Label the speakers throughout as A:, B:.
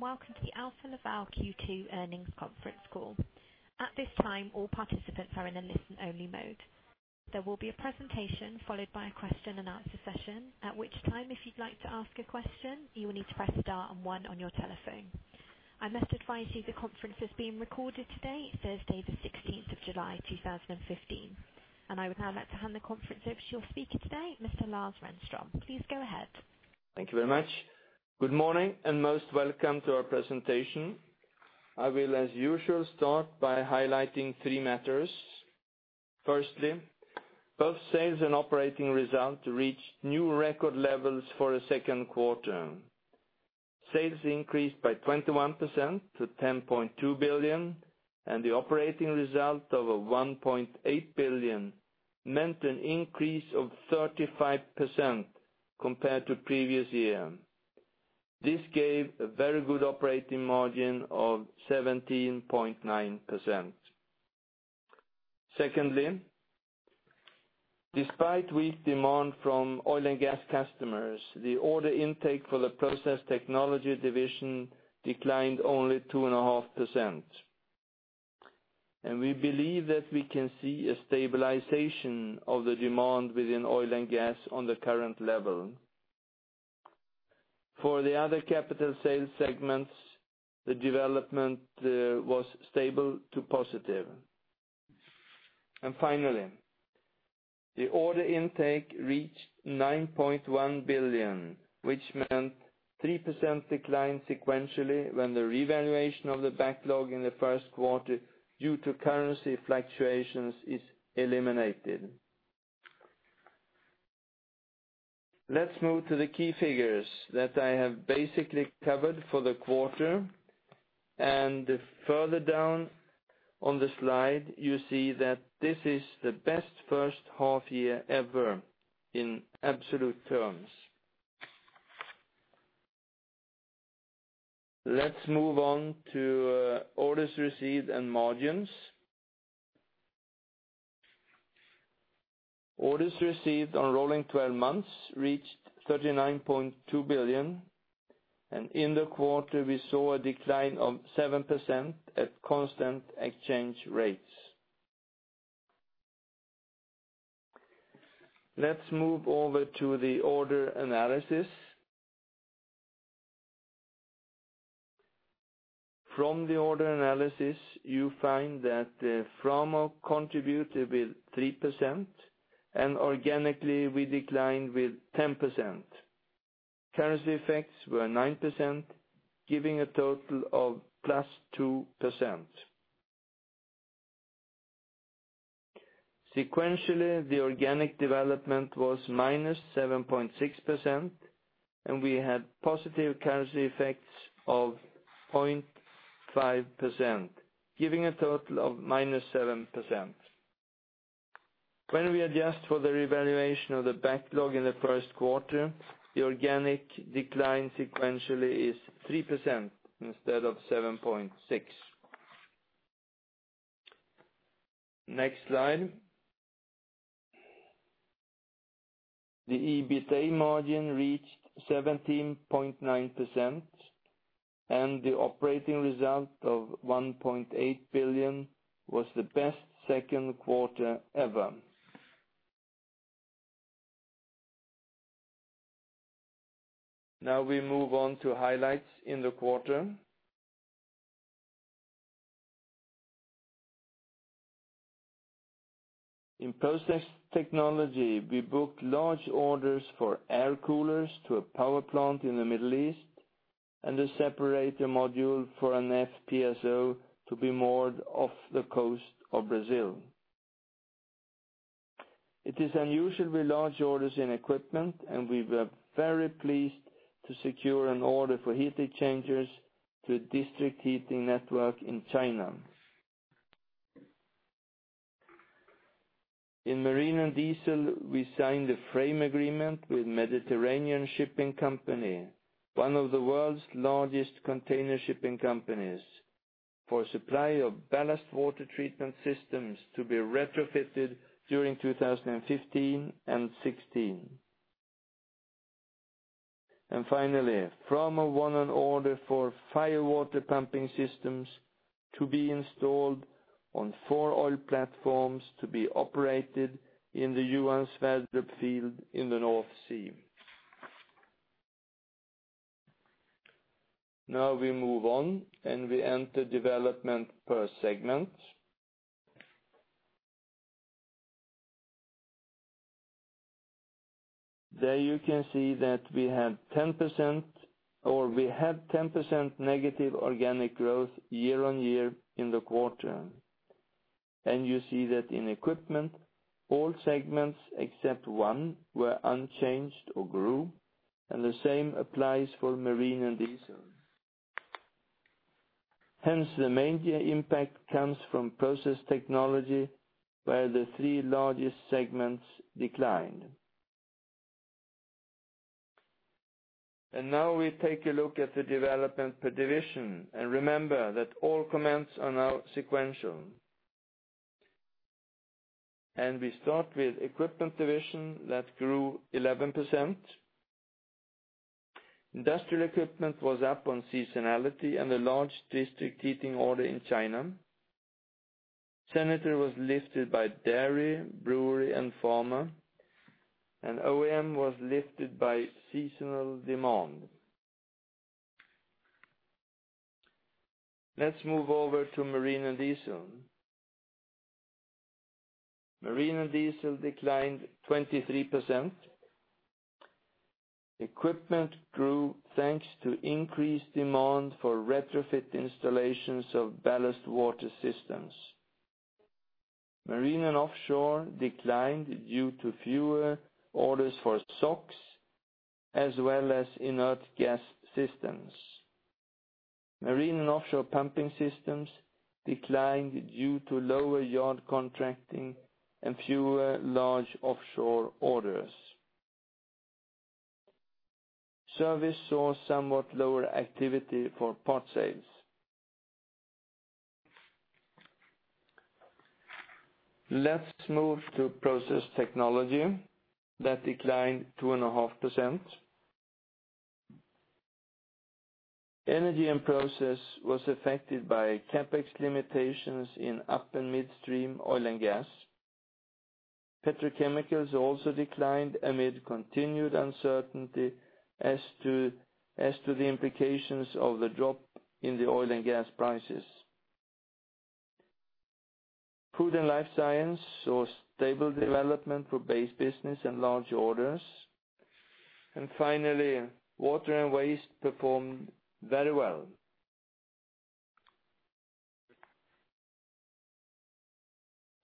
A: Welcome to the Alfa Laval Q2 Earnings Conference Call. At this time, all participants are in a listen-only mode. There will be a presentation followed by a question-and-answer session, at which time, if you would like to ask a question, you will need to press star 1 on your telephone. I must advise you the conference is being recorded today, Thursday, July 16, 2015. I would now like to hand the conference over to your speaker today, Mr. Lars Renström. Please go ahead.
B: Thank you very much. Good morning, most welcome to our presentation. I will, as usual, start by highlighting three matters. Firstly, both sales and operating results reached new record levels for a second quarter. Sales increased by 21% to 10.2 billion, and the operating result of 1.8 billion meant an increase of 35% compared to previous year. This gave a very good operating margin of 17.9%. Secondly, despite weak demand from oil and gas customers, the order intake for the Process Technology Division declined only 2.5%. We believe that we can see a stabilization of the demand within oil and gas on the current level. For the other capital sales segments, the development was stable to positive. Finally, the order intake reached 9.1 billion, which meant 3% decline sequentially when the revaluation of the backlog in the first quarter due to currency fluctuations is eliminated. Let's move to the key figures that I have basically covered for the quarter, further down on the slide, you see that this is the best first half year ever in absolute terms. Let's move on to orders received and margins. Orders received on rolling 12 months reached 39.2 billion, in the quarter, we saw a decline of 7% at constant exchange rates. Let's move over to the order analysis. From the order analysis, you find that Framo contributed with 3%, organically, we declined with 10%. Currency effects were 9%, giving a total of +2%. Sequentially, the organic development was -7.6%, we had positive currency effects of 0.5%, giving a total of -7%. When we adjust for the revaluation of the backlog in the first quarter, the organic decline sequentially is 3% instead of 7.6%. Next slide. The EBITA margin reached 17.9%, the operating result of 1.8 billion was the best second quarter ever. Now we move on to highlights in the quarter. In Process Technology, we booked large orders for air coolers to a power plant in the Middle East, a separator module for an FPSO to be moored off the coast of Brazil. It is unusually large orders in equipment, we were very pleased to secure an order for heat exchangers to a district heating network in China. In Marine & Diesel, we signed a frame agreement with Mediterranean Shipping Company, one of the world's largest container shipping companies, for supply of ballast water treatment systems to be retrofitted during 2015 and 2016. Finally, Framo won an order for fire water pumping systems to be installed on four oil platforms to be operated in the Johan Sverdrup field in the North Sea. We move on, we enter development per segment. You can see that we have 10% negative organic growth year-on-year in the quarter. You see that in equipment, all segments except one were unchanged or grew, and the same applies for Marine & Diesel. Hence, the main impact comes from Process Technology, where the three largest segments declined. We take a look at the development per division. Remember that all comments are now sequential. We start with equipment division that grew 11%. Industrial equipment was up on seasonality and a large district heating order in China. Sanitary was lifted by dairy, brewery, and pharma. OEM was lifted by seasonal demand. Let's move over to Marine & Diesel. Marine & Diesel declined 23%. Equipment grew thanks to increased demand for retrofit installations of ballast water treatment systems. Marine and offshore declined due to fewer orders for SOx, as well as inert gas systems. Marine and offshore pumping systems declined due to lower yard contracting and fewer large offshore orders. Service saw somewhat lower activity for parts sales. Let's move to Process Technology that declined 2.5%. Energy and process was affected by CapEx limitations in up- and midstream oil and gas. Petrochemicals also declined amid continued uncertainty as to the implications of the drop in the oil and gas prices. Food and life science saw stable development for base business and large orders. Finally, water and waste performed very well.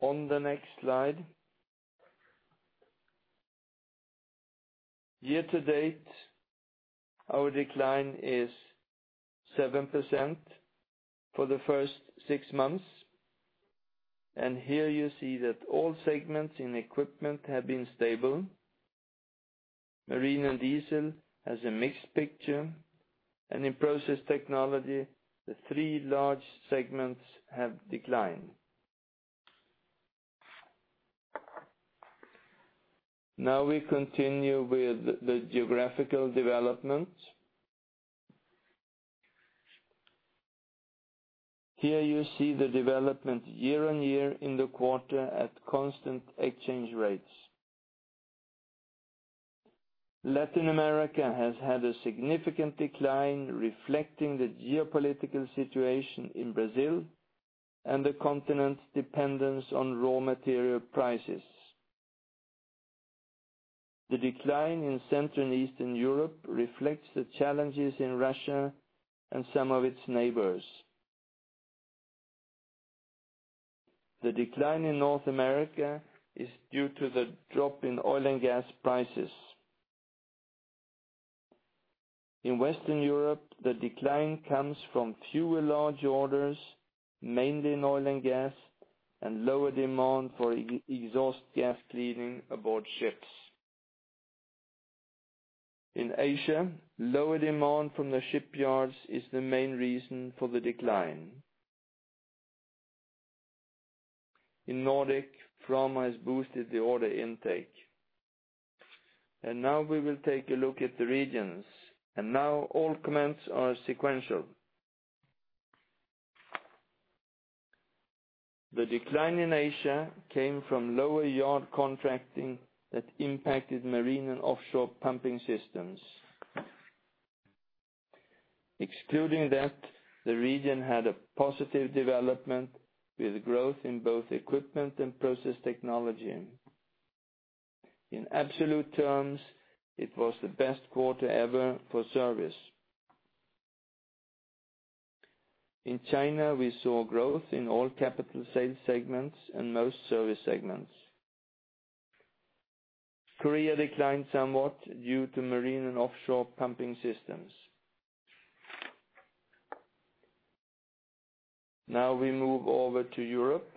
B: On the next slide. Year to date, our decline is 7% for the first six months. Here you see that all segments in equipment have been stable. Marine & Diesel has a mixed picture. In Process Technology, the three large segments have declined. Now we continue with the geographical development. Here you see the development year-on-year in the quarter at constant exchange rates. Latin America has had a significant decline reflecting the geopolitical situation in Brazil and the continent's dependence on raw material prices. The decline in Central and Eastern Europe reflects the challenges in Russia and some of its neighbors. The decline in North America is due to the drop in oil and gas prices. In Western Europe, the decline comes from fewer large orders, mainly in oil and gas, and lower demand for exhaust gas cleaning aboard ships. In Asia, lower demand from the shipyards is the main reason for the decline. In Nordic, pharma has boosted the order intake. We will take a look at the regions, all comments are sequential. The decline in Asia came from lower yard contracting that impacted marine and offshore pumping systems. Excluding that, the region had a positive development with growth in both equipment and Process Technology. In absolute terms, it was the best quarter ever for service. In China, we saw growth in all capital sales segments and most service segments. Korea declined somewhat due to marine and offshore pumping systems. We move over to Europe.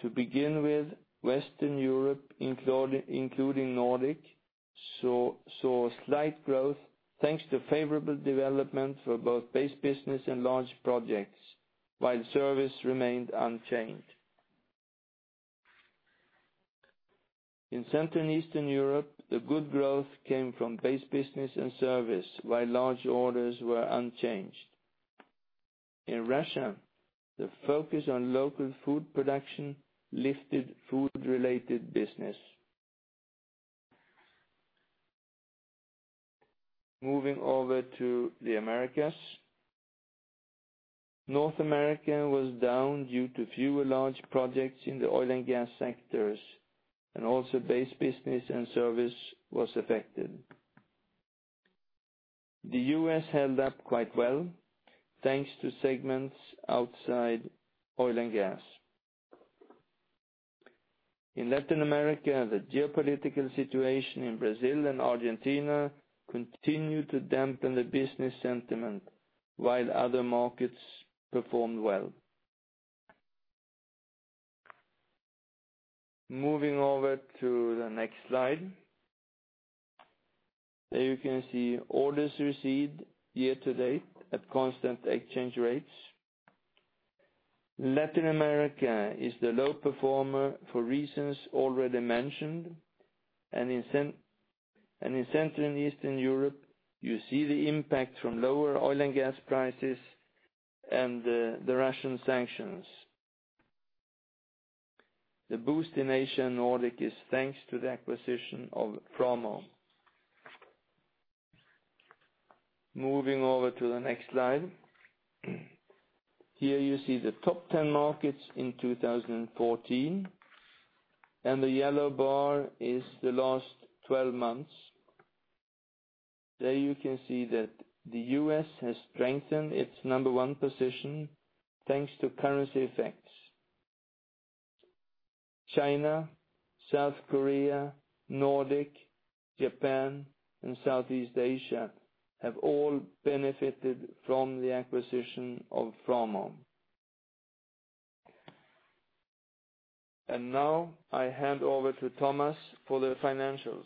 B: To begin with, Western Europe, including Nordic, saw slight growth thanks to favorable development for both base business and large projects, while service remained unchanged. In Central and Eastern Europe, the good growth came from base business and service while large orders were unchanged. In Russia, the focus on local food production lifted food-related business. Moving over to the Americas. North America was down due to fewer large projects in the oil and gas sectors, and also base business and service was affected. The U.S. held up quite well, thanks to segments outside oil and gas. In Latin America, the geopolitical situation in Brazil and Argentina continued to dampen the business sentiment, while other markets performed well. Moving over to the next slide. There you can see orders received year to date at constant exchange rates. Latin America is the low performer for reasons already mentioned. In Central and Eastern Europe, you see the impact from lower oil and gas prices and the Russian sanctions. The boost in Asia and Nordic is thanks to the acquisition of Framo. Moving over to the next slide. Here you see the top 10 markets in 2014, and the yellow bar is the last 12 months. There you can see that the U.S. has strengthened its number 1 position thanks to currency effects. China, South Korea, Nordic, Japan, and Southeast Asia have all benefited from the acquisition of Framo. Now I hand over to Thomas for the financials.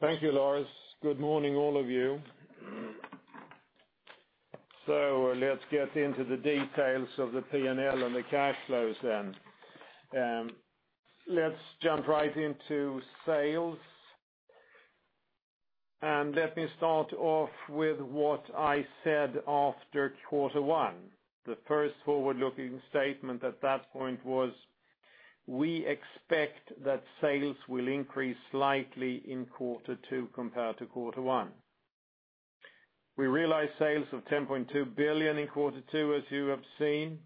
C: Thank you, Lars. Good morning, all of you. Let's get into the details of the P&L and the cash flows then. Let's jump right into sales. Let me start off with what I said after quarter 1. The first forward-looking statement at that point was, we expect that sales will increase slightly in quarter 2 compared to quarter 1. We realized sales of 10.2 billion in quarter 2, as you have seen.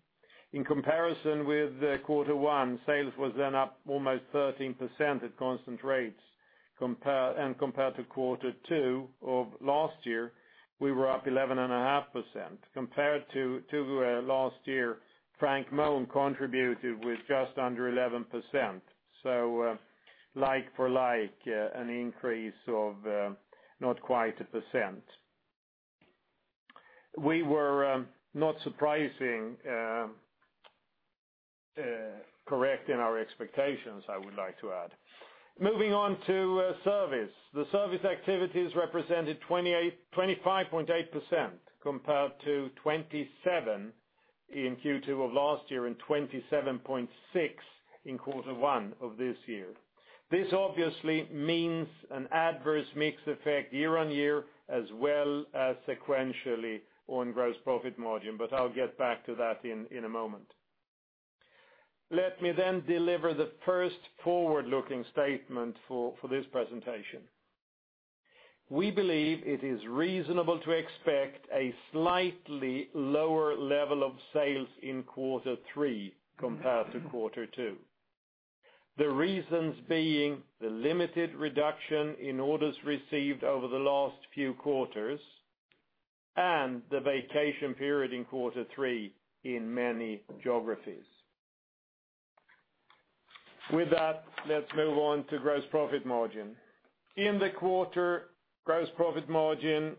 C: In comparison with quarter 1, sales was then up almost 13% at constant rates. Compared to quarter 2 of last year, we were up 11.5%. Compared to last year, Frank Mohn contributed with just under 11%. Like for like, an increase of not quite 1%. We were not surprising, correct in our expectations, I would like to add. Moving on to service. The service activities represented 25.8% compared to 27% in Q2 of last year and 27.6% in quarter 1 of this year. This obviously means an adverse mix effect year-on-year, as well as sequentially on gross profit margin, I'll get back to that in a moment. Let me then deliver the first forward-looking statement for this presentation. We believe it is reasonable to expect a slightly lower level of sales in quarter 3 compared to quarter 2. The reasons being the limited reduction in orders received over the last few quarters and the vacation period in quarter 3 in many geographies. With that, let's move on to gross profit margin. In the quarter, gross profit margin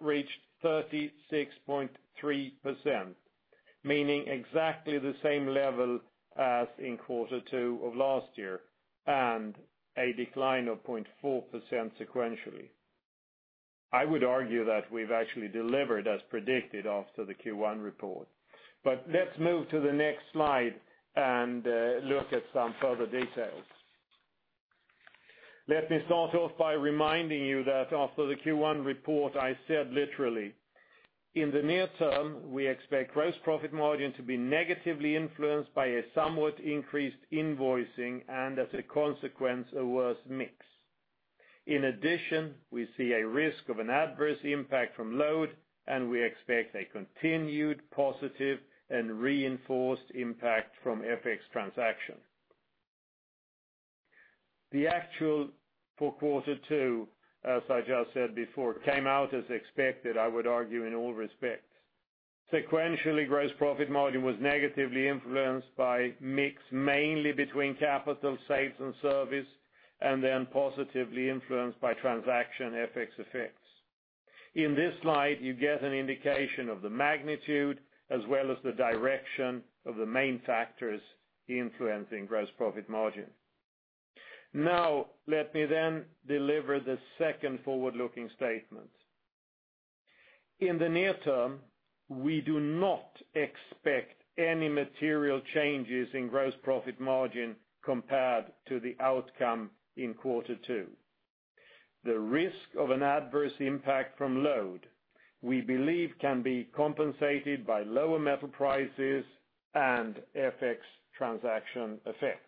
C: reached 36.3%, meaning exactly the same level as in quarter 2 of last year, and a decline of 0.4% sequentially. I would argue that we've actually delivered as predicted after the Q1 report. Let's move to the next slide and look at some further details. Let me start off by reminding you that after the Q1 report, I said literally, "In the near term, we expect gross profit margin to be negatively influenced by a somewhat increased invoicing and, as a consequence, a worse mix. In addition, we see a risk of an adverse impact from load, and we expect a continued positive and reinforced impact from FX transaction." The actual for quarter two, as I just said before, came out as expected, I would argue, in all respects. Sequentially, gross profit margin was negatively influenced by mix, mainly between capital, sales, and service, and then positively influenced by transaction FX effects. In this slide, you get an indication of the magnitude as well as the direction of the main factors influencing gross profit margin. Let me then deliver the second forward-looking statement. In the near term, we do not expect any material changes in gross profit margin compared to the outcome in quarter two. The risk of an adverse impact from load, we believe, can be compensated by lower metal prices and FX transaction effects.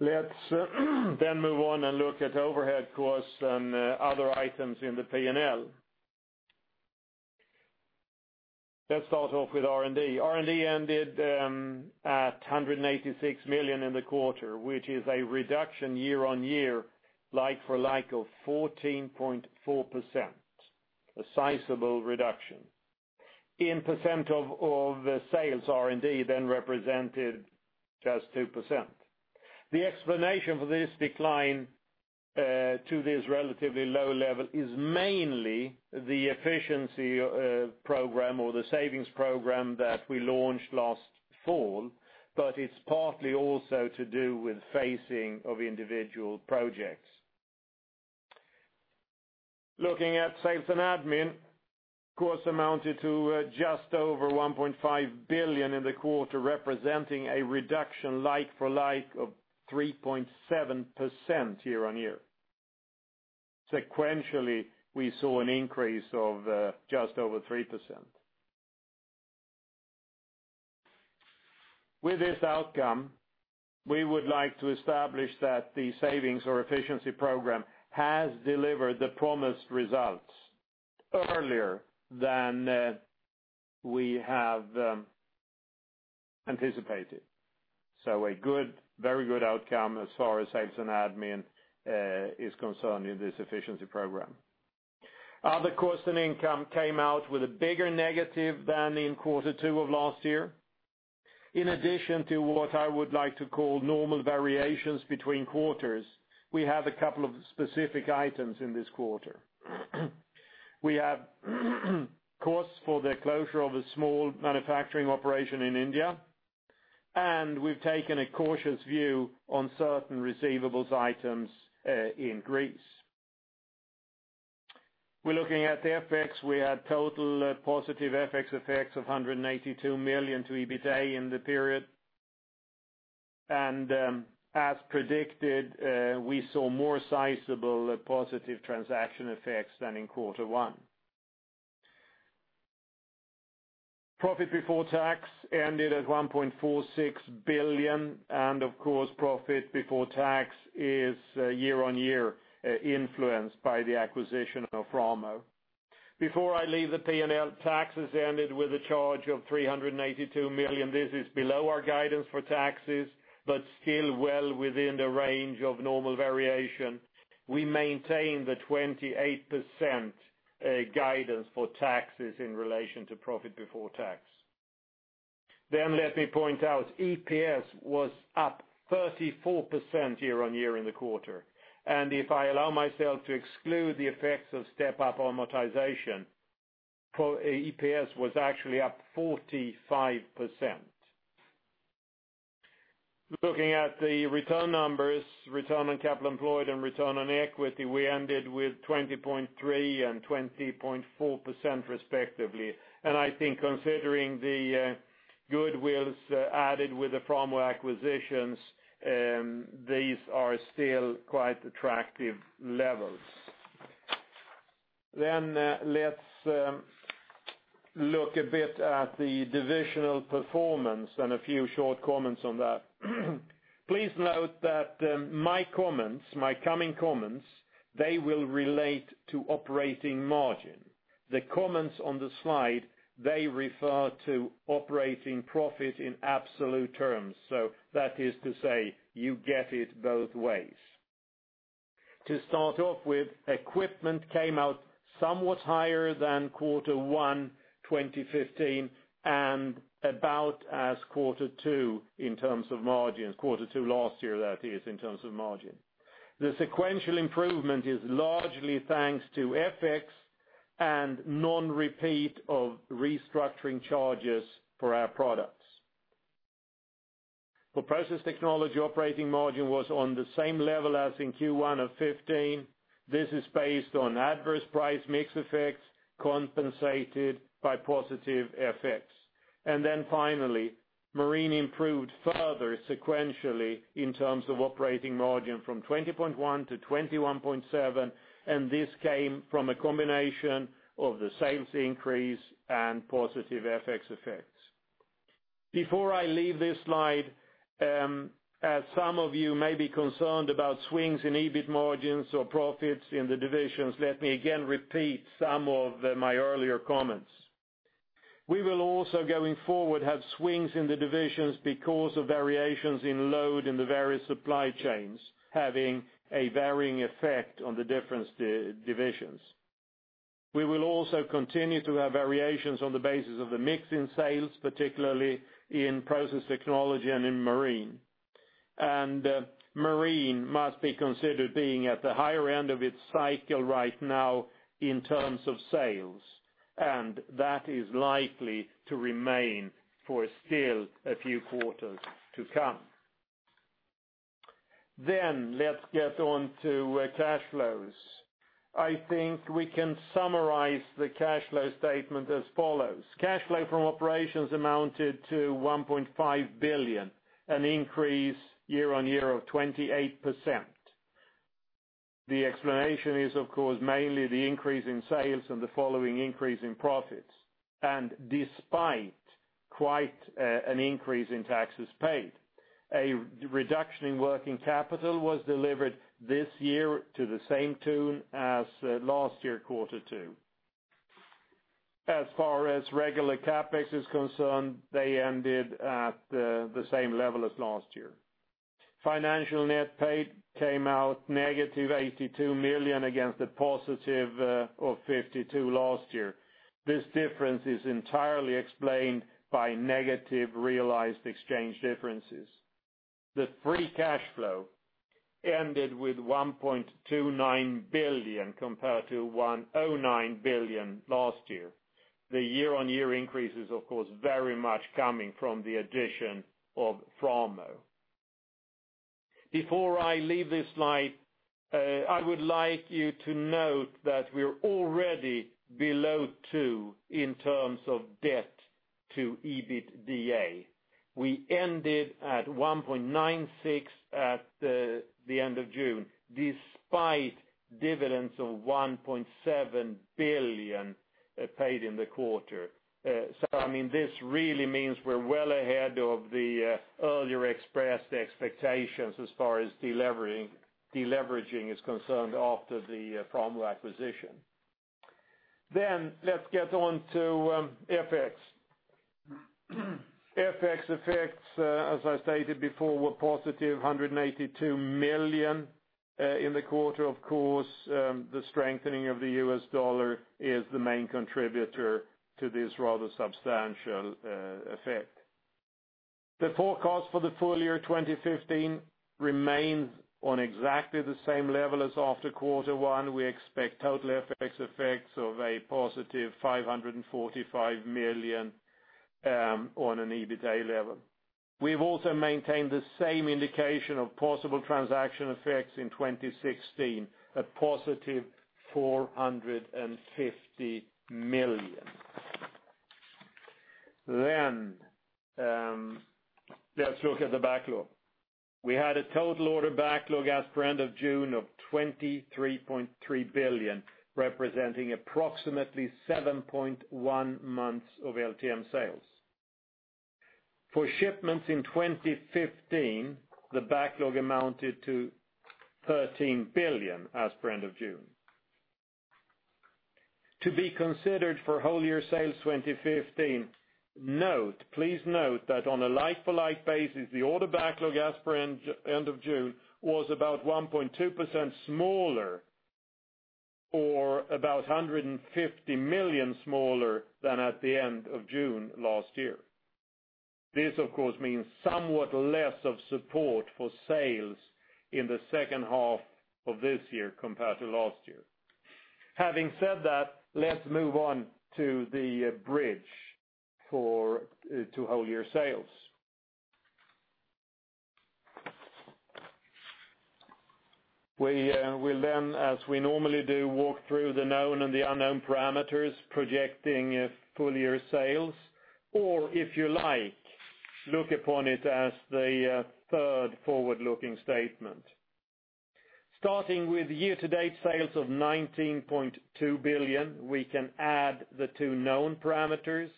C: Let's move on and look at overhead costs and other items in the P&L. Let's start off with R&D. R&D ended at 186 million in the quarter, which is a reduction year-on-year, like for like, of 14.4%, a sizable reduction. In % of sales, R&D then represented just 2%. The explanation for this decline to this relatively low level is mainly the efficiency program or the savings program that we launched last fall, but it's partly also to do with phasing of individual projects. Looking at sales and admin, costs amounted to just over 1.5 billion in the quarter, representing a reduction like for like of 3.7% year-on-year. Sequentially, we saw an increase of just over 3%. With this outcome, we would like to establish that the savings or efficiency program has delivered the promised results earlier than we have anticipated. A very good outcome as far as sales and admin is concerned in this efficiency program. Other costs and income came out with a bigger negative than in quarter two of last year. In addition to what I would like to call normal variations between quarters, we have a couple of specific items in this quarter. We have costs for the closure of a small manufacturing operation in India. We've taken a cautious view on certain receivables items in Greece. We're looking at FX. We had total positive FX effects of 182 million to EBITA in the period. As predicted, we saw more sizable positive transaction effects than in quarter one. Profit before tax ended at 1.46 billion, and of course, profit before tax is year-on-year influenced by the acquisition of Framo. Before I leave the P&L, taxes ended with a charge of 382 million. This is below our guidance for taxes, but still well within the range of normal variation. We maintain the 28% guidance for taxes in relation to profit before tax. Let me point out, EPS was up 34% year-on-year in the quarter. If I allow myself to exclude the effects of step-up amortization, EPS was actually up 45%. Looking at the return numbers, return on capital employed and return on equity, we ended with 20.3% and 20.4% respectively. I think considering the goodwills added with the Framo acquisitions, these are still quite attractive levels. Let's look a bit at the divisional performance and a few short comments on that. Please note that my coming comments, they will relate to operating margin. The comments on the slide, they refer to operating profit in absolute terms. That is to say, you get it both ways. To start off with, equipment came out somewhat higher than quarter one 2015, and about as quarter two in terms of margins. Quarter two last year, that is, in terms of margin. The sequential improvement is largely thanks to FX and non-repeat of restructuring charges for our products. For Process Technology, operating margin was on the same level as in Q1 2015. This is based on adverse price mix effects compensated by positive FX. Finally, marine improved further sequentially in terms of operating margin from 20.1 to 21.7, and this came from a combination of the sales increase and positive FX effects. Before I leave this slide, as some of you may be concerned about swings in EBIT margins or profits in the divisions, let me again repeat some of my earlier comments. We will also, going forward, have swings in the divisions because of variations in load in the various supply chains, having a varying effect on the different divisions. We will also continue to have variations on the basis of the mix in sales, particularly in Process Technology and in marine. Marine must be considered being at the higher end of its cycle right now in terms of sales, and that is likely to remain for still a few quarters to come. Let's get on to cash flows. I think we can summarize the cash flow statement as follows. Cash flow from operations amounted to 1.5 billion, an increase year-on-year of 28%. The explanation is, of course, mainly the increase in sales and the following increase in profits. Despite quite an increase in taxes paid, a reduction in working capital was delivered this year to the same tune as last year, quarter two. As far as regular CapEx is concerned, they ended at the same level as last year. Financial net pay came out negative 82 million against a positive of 52 last year. This difference is entirely explained by negative realized exchange differences. The free cash flow ended with 1.29 billion compared to 1.09 billion last year. The year-on-year increase is, of course, very much coming from the addition of Framo. Before I leave this slide, I would like you to note that we're already below two in terms of debt to EBITDA. We ended at 1.96 at the end of June, despite dividends of 1.7 billion paid in the quarter. This really means we're well ahead of the earlier expressed expectations as far as deleveraging is concerned after the Framo acquisition. Let's get on to FX. FX effects, as I stated before, were a positive 182 million in the quarter. Of course, the strengthening of the US dollar is the main contributor to this rather substantial effect. The forecast for the full year 2015 remains on exactly the same level as after Q1. We expect total FX effects of a positive 545 million on an EBITDA level. We've also maintained the same indication of possible transaction effects in 2016, a positive SEK 450 million. Let's look at the backlog. We had a total order backlog as per end of June of 23.3 billion, representing approximately 7.1 months of LTM sales. For shipments in 2015, the backlog amounted to 13 billion as per end of June. To be considered for whole year sales 2015, please note that on a like-for-like basis, the order backlog as per end of June was about 1.2% smaller, or about 150 million smaller than at the end of June last year. This, of course, means somewhat less of support for sales in the second half of this year compared to last year. Let's move on to the bridge to whole year sales. We'll, as we normally do, walk through the known and the unknown parameters, projecting full-year sales, or if you like, look upon it as the third forward-looking statement. Starting with year-to-date sales of 19.2 billion, we can add the two known parameters,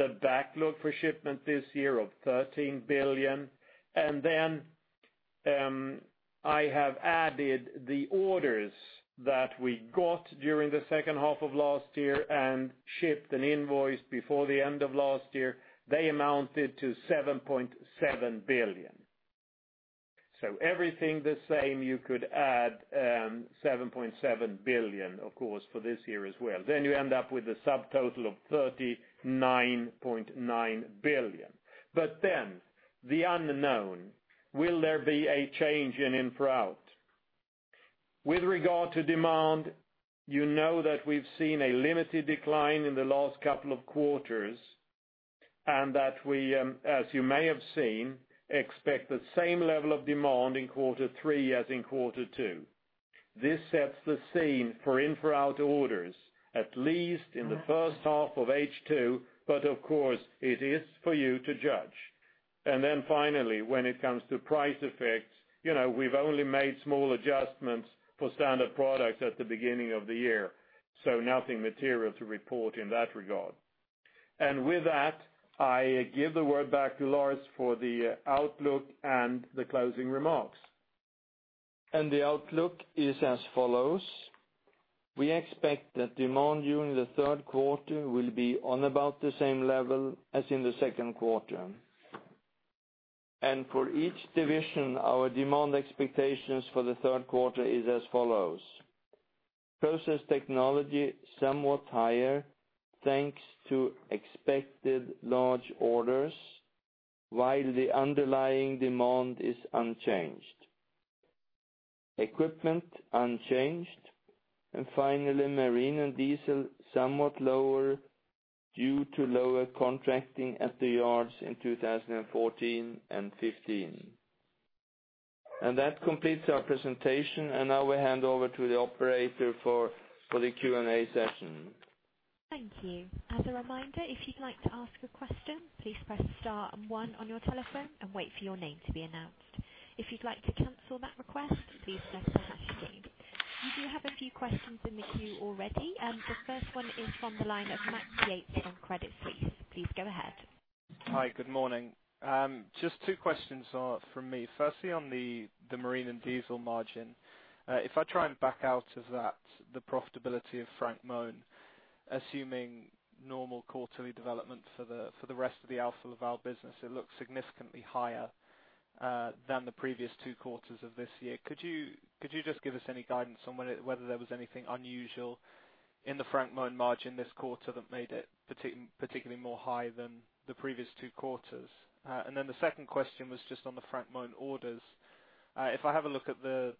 C: the backlog for shipment this year of 13 billion. I have added the orders that we got during the second half of last year and shipped and invoiced before the end of last year. They amounted to 7.7 billion. Everything the same, you could add 7.7 billion, of course, for this year as well. You end up with a subtotal of 39.9 billion. The unknown, will there be a change in in-for-out? With regard to demand, you know that we've seen a limited decline in the last couple of quarters. We, as you may have seen, expect the same level of demand in Q3 as in Q2. This sets the scene for in-for-out orders, at least in the first half of H2. Of course, it is for you to judge. Finally, when it comes to price effects, we've only made small adjustments for standard products at the beginning of the year. Nothing material to report in that regard. With that, I give the word back to Lars for the outlook and the closing remarks.
B: The outlook is as follows. We expect that demand during the third quarter will be on about the same level as in the second quarter. For each division, our demand expectations for the third quarter is as follows. Process Technology, somewhat higher, thanks to expected large orders, while the underlying demand is unchanged. Equipment, unchanged. Finally, Marine & Diesel, somewhat lower due to lower contracting at the yards in 2014 and 2015. That completes our presentation. Now we hand over to the operator for the Q&A session.
A: Thank you. As a reminder, if you'd like to ask a question, please press star and one on your telephone and wait for your name to be announced. If you'd like to cancel that request, please press hash again. We do have a few questions in the queue already. The first one is from the line of Max Yates from Credit Suisse. Please go ahead.
D: Hi, good morning. Just two questions from me. Firstly, on the Marine & Diesel margin. If I try and back out of that the profitability of Framo, assuming normal quarterly development for the rest of the Alfa Laval business, it looks significantly higher than the previous two quarters of this year. Could you just give us any guidance on whether there was anything unusual in the Framo margin this quarter that made it particularly more high than the previous two quarters. The second question was just on the Framo orders. If I have a look at the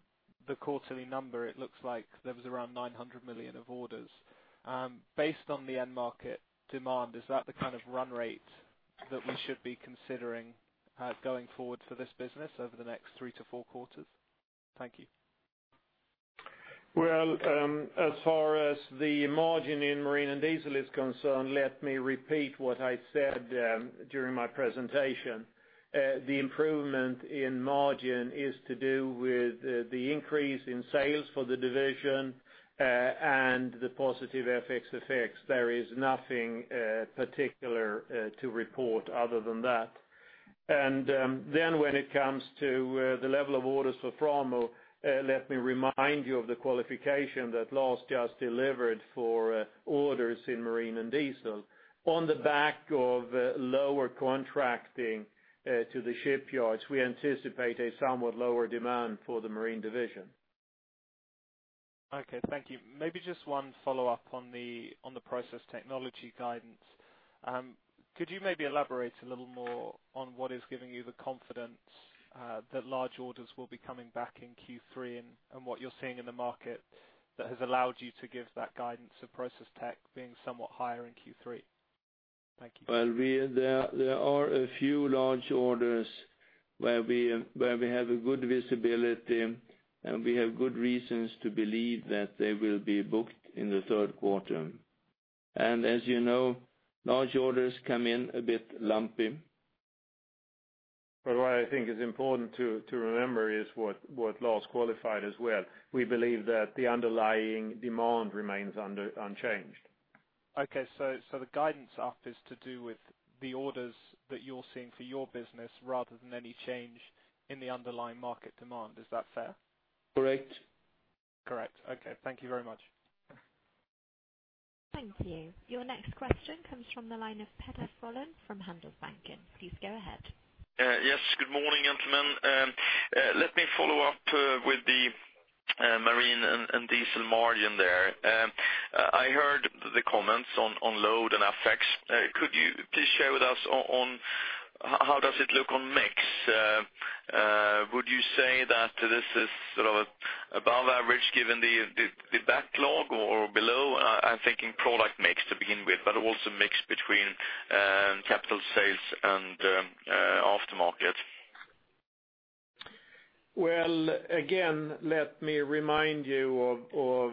D: quarterly number, it looks like there was around 900 million of orders. Based on the end market demand, is that the kind of run rate that we should be considering going forward for this business over the next three to four quarters? Thank you.
C: Well, as far as the margin in Marine & Diesel is concerned, let me repeat what I said during my presentation. The improvement in margin is to do with the increase in sales for the division, and the positive FX effects. There is nothing particular to report other than that. When it comes to the level of orders for Framo, let me remind you of the qualification that Lars just delivered for orders in Marine & Diesel. On the back of lower contracting to the shipyards, we anticipate a somewhat lower demand for the Marine division.
D: Okay. Thank you. Maybe just one follow-up on the Process Technology guidance. Could you maybe elaborate a little more on what is giving you the confidence that large orders will be coming back in Q3, and what you're seeing in the market that has allowed you to give that guidance to Process Tech being somewhat higher in Q3? Thank you.
B: Well, there are a few large orders where we have a good visibility, and we have good reasons to believe that they will be booked in the third quarter. As you know, large orders come in a bit lumpy.
C: What I think is important to remember is what Lars qualified as well. We believe that the underlying demand remains unchanged.
D: Okay. The guidance up is to do with the orders that you're seeing for your business rather than any change in the underlying market demand. Is that fair?
B: Correct.
D: Correct. Okay. Thank you very much.
A: Thank you. Your next question comes from the line of Peder Rosén from Handelsbanken. Please go ahead.
E: Yes. Good morning, gentlemen. Let me follow up with the Marine & Diesel Division margin there. I heard the comments on load and effects. Could you please share with us on how does it look on mix? Would you say that this is above average given the backlog or below? I'm thinking product mix to begin with, also mix between capital sales and aftermarket.
C: Well, again, let me remind you of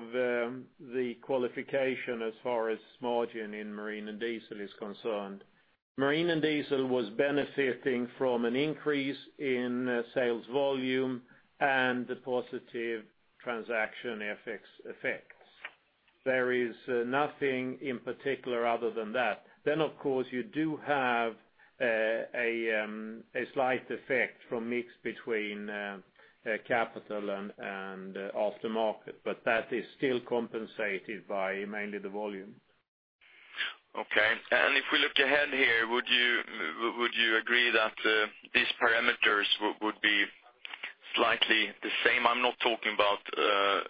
C: the qualification as far as margin in Marine & Diesel Division is concerned. Marine & Diesel Division was benefiting from an increase in sales volume and the positive transaction FX effects. There is nothing in particular other than that. Of course, you do have a slight effect from mix between capital and aftermarket, that is still compensated by mainly the volume.
E: Okay. If we look ahead here, would you agree that these parameters would be slightly the same? I'm not talking about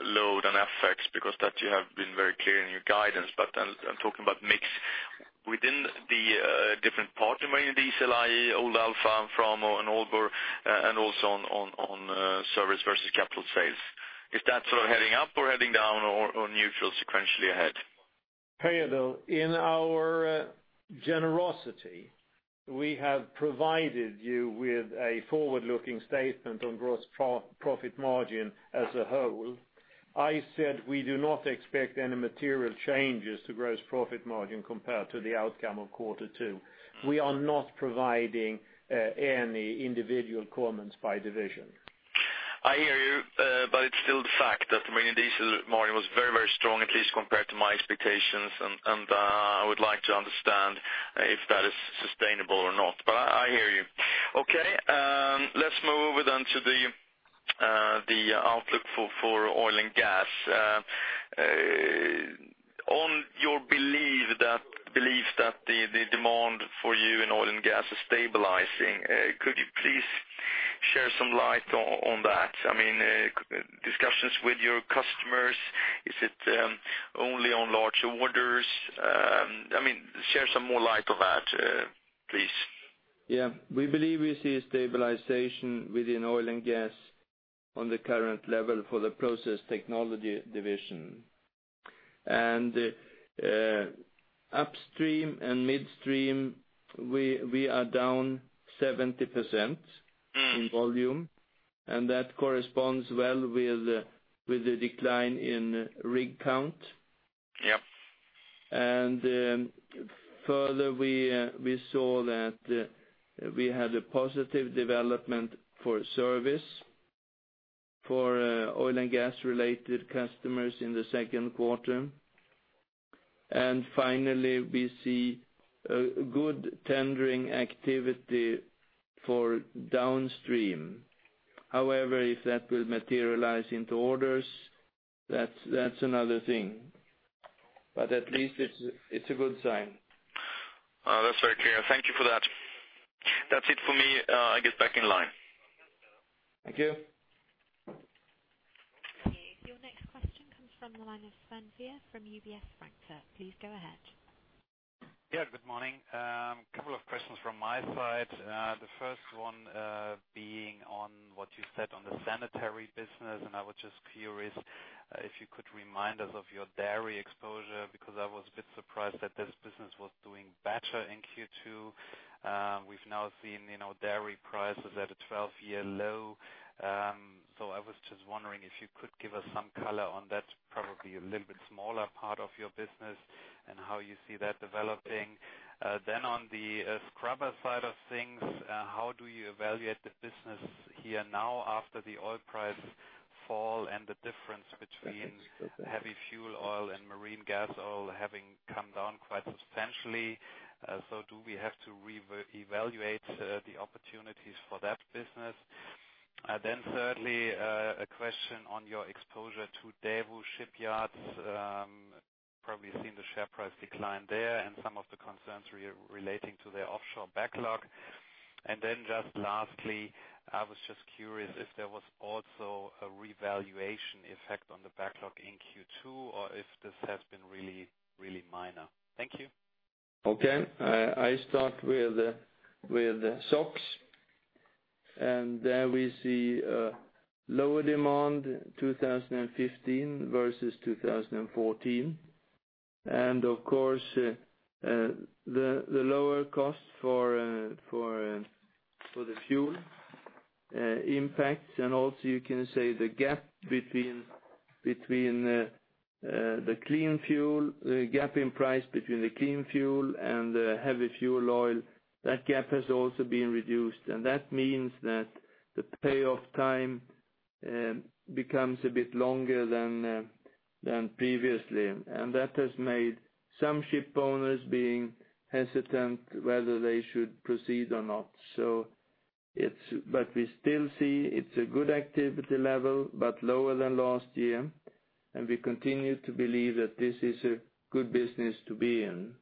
E: load and FX, because that you have been very clear in your guidance, I'm talking about mix within the different parts of Marine & Diesel Division, i.e., Old Alfa, Framo and Aalborg Industries, also on service versus capital sales. Is that heading up or heading down or neutral sequentially ahead?
C: Peder, in our generosity, we have provided you with a forward-looking statement on gross profit margin as a whole. I said we do not expect any material changes to gross profit margin compared to the outcome of quarter two. We are not providing any individual comments by division.
E: I hear you. It's still the fact that the Marine & Diesel margin was very strong, at least compared to my expectations, and I would like to understand if that is sustainable or not. I hear you. Okay. Let's move over then to the outlook for oil and gas. On your belief that the demand for you and oil and gas is stabilizing, could you please share some light on that? Discussions with your customers, is it only on large orders? Share some more light on that, please.
B: We believe we see a stabilization within oil and gas on the current level for the Process Technology Division. Upstream and midstream, we are down 70% in volume, and that corresponds well with the decline in rig count.
E: Yep.
B: Further, we saw that we had a positive development for service for oil and gas related customers in the second quarter. Finally, we see a good tendering activity for downstream. However, if that will materialize into orders, that's another thing. At least it's a good sign.
E: That's very clear. Thank you for that. That's it for me. I get back in line.
B: Thank you.
A: Thank you. Your next question comes from the line of Sven Weier from UBS Frankfurt. Please go ahead.
F: Good morning. A couple of questions from my side. The first one being on what you said on the Sanitary business, and I was just curious if you could remind us of your dairy exposure, because I was a bit surprised that this business was doing better in Q2. We've now seen dairy prices at a 12-year low. I was just wondering if you could give us some color on that, probably a little bit smaller part of your business, and how you see that developing. On the scrubber side of things, how do you evaluate the business here now after the oil price fall and the difference between heavy fuel oil and marine gas oil having come down quite substantially? Do we have to reevaluate the opportunities for that business? Thirdly, a question on your exposure to Daewoo Shipyards. Probably seen the share price decline there and some of the concerns relating to their offshore backlog. Just lastly, I was just curious if there was also a revaluation effect on the backlog in Q2 or if this has been really minor. Thank you.
B: Okay. I start with SOx, there we see a lower demand 2015 versus 2014. Of course, the lower cost for the fuel impacts, also you can say the gap in price between the clean fuel and the heavy fuel oil, that gap has also been reduced. That means that the payoff time becomes a bit longer than previously. That has made some ship owners being hesitant whether they should proceed or not. We still see it's a good activity level, but lower than last year. We continue to believe that this is a good business to be in.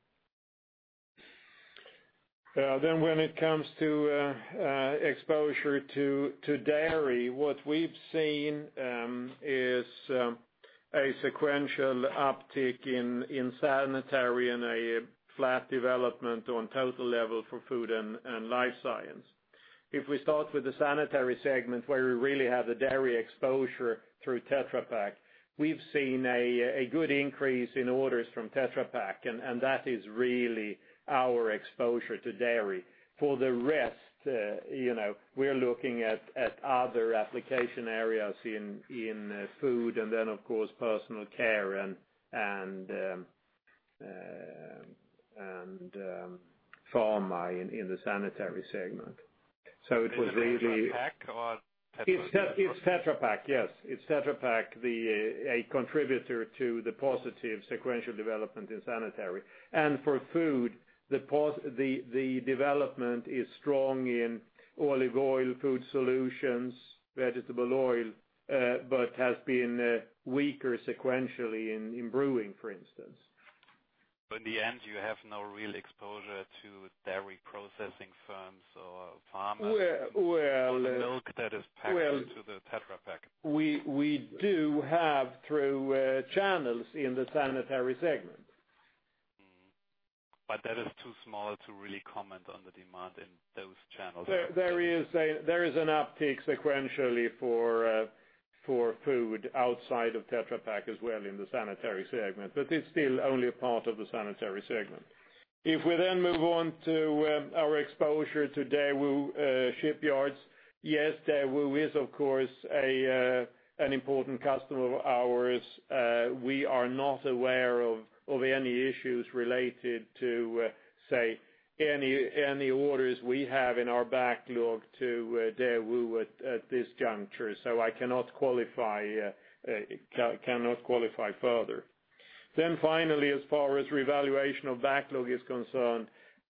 C: When it comes to exposure to dairy, what we've seen is a sequential uptick in Sanitary and a flat development on total level for food and life science. If we start with the Sanitary segment, where we really have the dairy exposure through Tetra Pak, we've seen a good increase in orders from Tetra Pak, that is really our exposure to dairy. For the rest, we are looking at other application areas in food, then, of course, personal care and pharma in the Sanitary segment. It was really.
F: Tetra Pak or Tetra?
C: It's Tetra Pak, yes. It's Tetra Pak, a contributor to the positive sequential development in Sanitary. For food, the development is strong in olive oil, food solutions, vegetable oil, but has been weaker sequentially in brewing, for instance.
F: In the end, you have no real exposure to dairy processing firms or farmers?
C: Well-
F: The milk that is packed into the Tetra Pak.
C: We do have through channels in the Sanitary segment.
F: That is too small to really comment on the demand in those channels.
C: There is an uptick sequentially for food outside of Tetra Pak as well in the Sanitary segment, but it's still only a part of the Sanitary segment. We then move on to our exposure to Daewoo Shipyards. Daewoo is, of course, an important customer of ours. We are not aware of any issues related to, say, any orders we have in our backlog to Daewoo at this juncture. I cannot qualify further. Finally, as far as revaluation of backlog is concerned,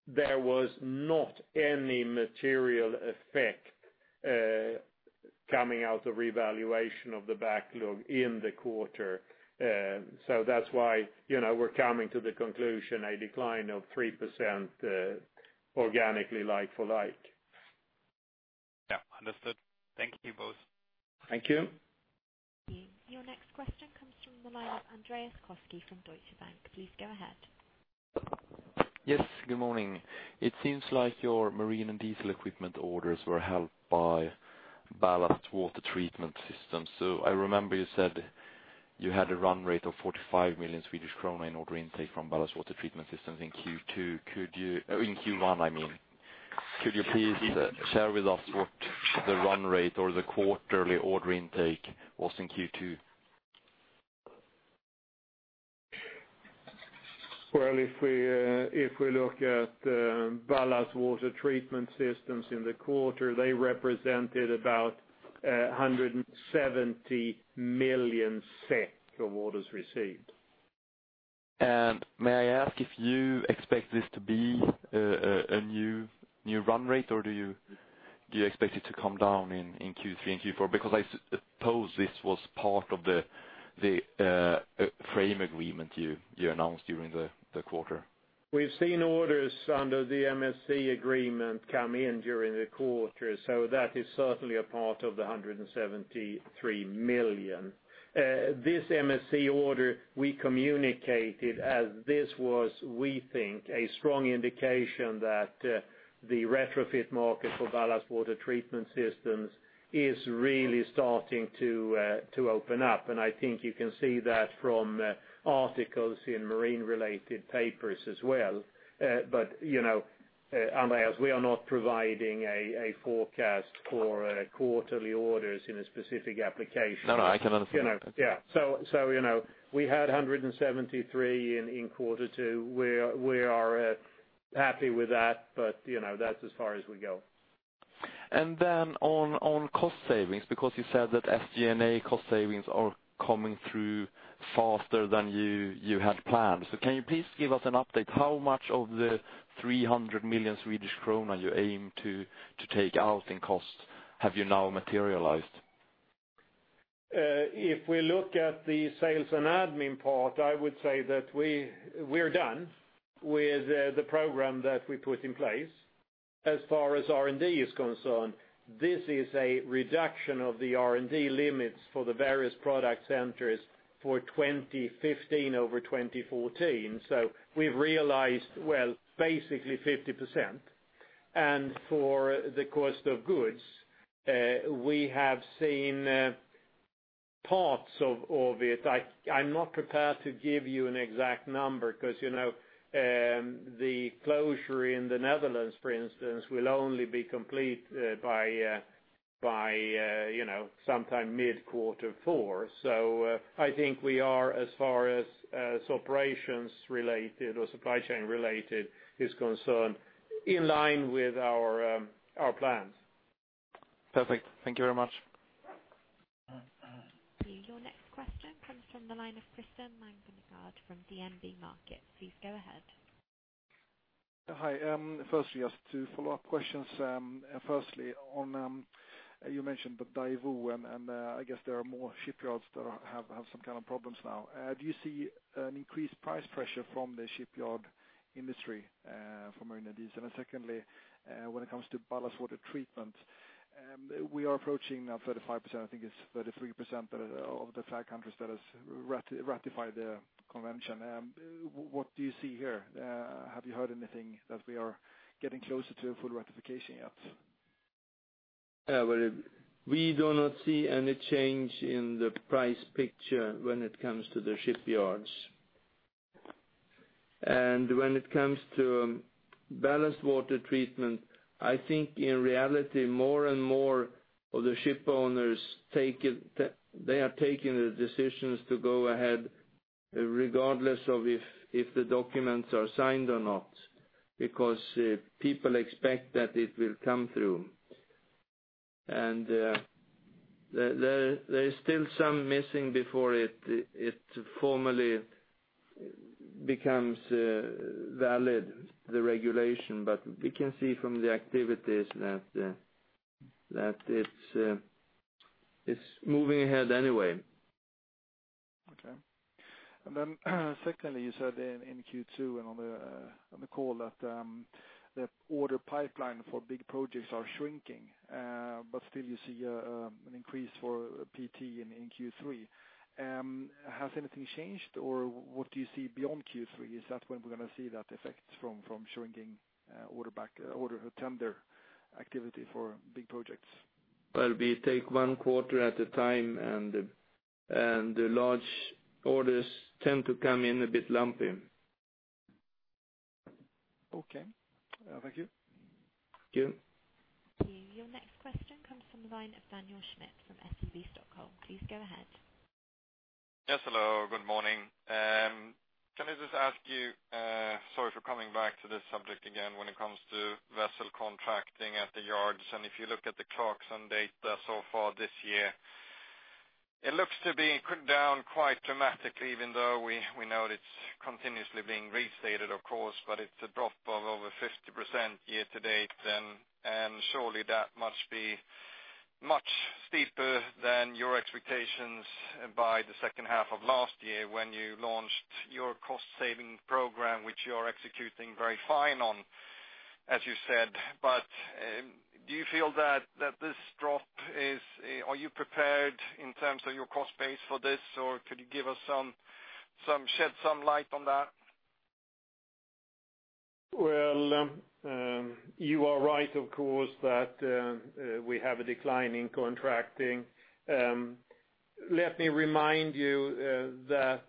C: there was not any material effect coming out of revaluation of the backlog in the quarter. That's why we're coming to the conclusion a decline of 3% organically like for like.
F: Understood. Thank you both.
C: Thank you.
A: Your next question comes from the line of Andreas Koski from Deutsche Bank. Please go ahead.
G: Yes, good morning. It seems like your marine and diesel equipment orders were held by ballast water treatment systems. I remember you said you had a run rate of 45 million Swedish krona in order intake from ballast water treatment systems in Q2. In Q1, I mean. Could you please share with us what the run rate or the quarterly order intake was in Q2?
C: Well, if we look at ballast water treatment systems in the quarter, they represented about 170 million SEK of orders received.
G: May I ask if you expect this to be a new run rate, or do you expect it to come down in Q3 and Q4? I suppose this was part of the frame agreement you announced during the quarter.
C: We've seen orders under the MSC agreement come in during the quarter, that is certainly a part of the 173 million. This MSC order we communicated as this was, we think, a strong indication that the retrofit market for ballast water treatment systems is really starting to open up. I think you can see that from articles in marine-related papers as well. Andreas, we are not providing a forecast for quarterly orders in a specific application.
G: No, I can understand.
C: Yeah. We had 173 in quarter two. We are happy with that, but that's as far as we go.
G: Then on cost savings, because you said that SG&A cost savings are coming through faster than you had planned. Can you please give us an update? How much of the 300 million Swedish krona you aim to take out in cost have you now materialized?
C: We look at the sales and admin part, I would say that we are done with the program that we put in place. As far as R&D is concerned, this is a reduction of the R&D limits for the various product centers for 2015 over 2014. We've realized, well, basically 50%. For the cost of goods, we have seen parts of it. I'm not prepared to give you an exact number because the closure in the Netherlands, for instance, will only be complete by sometime mid quarter four. I think we are, as far as operations related or supply chain related is concerned, in line with our plans.
G: Perfect. Thank you very much.
A: Your next question comes from the line of Christer Magnergård from DNB Markets. Please go ahead.
H: Hi. Firstly, just two follow-up questions. Firstly on, you mentioned the Daewoo, and I guess there are more shipyards that have some kind of problems now. Do you see an increased price pressure from the shipyard industry for Marine & Diesel? Secondly, when it comes to ballast water treatment, we are approaching now 35%, I think it's 33% of the flag countries that has ratified the convention. What do you see here? Have you heard anything that we are getting closer to a full ratification yet?
C: Well, we do not see any change in the price picture when it comes to the shipyards. When it comes to ballast water treatment, I think in reality, more and more of the ship owners, they are taking the decisions to go ahead regardless of if the documents are signed or not, because people expect that it will come through. There is still some missing before it formally becomes valid, the regulation. We can see from the activities that it's moving ahead anyway.
H: Okay. Secondly, you said in Q2 and on the call that the order pipeline for big projects are shrinking, but still you see an increase for PT in Q3. Has anything changed or what do you see beyond Q3? Is that when we're going to see that effect from shrinking order tender activity for big projects?
C: Well, we take one quarter at a time, the large orders tend to come in a bit lumpy.
H: Okay. Thank you.
C: Thank you.
B: Thank you.
A: Your next question comes from the line of Daniel Schmidt from SEB Stockholm. Please go ahead.
I: Yes, hello. Good morning. Can I just ask you, sorry for coming back to this subject again, when it comes to vessel contracting at the yards, if you look at the Clarksons data so far this year, it looks to be down quite dramatically, even though we know it's continuously being restated, of course, but it's a drop of over 50% year-to-date. Surely that must be much steeper than your expectations by the second half of last year when you launched your cost-saving program, which you are executing very fine on, as you said. Do you feel that this drop is? Are you prepared in terms of your cost base for this? Could you shed some light on that?
C: Well, you are right, of course, that we have a decline in contracting. Let me remind you that